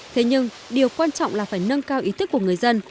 thế nhưng điều quan trọng là phải nâng cao ý thức của người dân